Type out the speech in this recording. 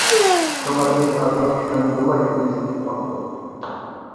چوڭ ھەدىمىز ئارقىلىق چاندۇرماي ئۇنى چېكىپ باقتۇق.